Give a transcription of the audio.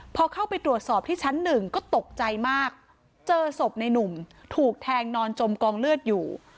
พอเข้าไปตรวจสอบที่ชั้นหนึ่งก็ตกใจมากเจอศพในหนุ่มถูกแทงนอนจมกองเลือดอยู่